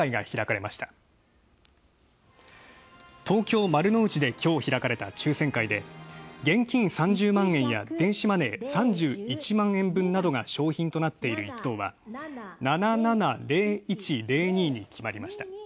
東京・丸の内で今日開かれた抽選会で現金３０万円や、電子マネー３１万円分などが商品となっている１等は、７７０１０２に決まりました。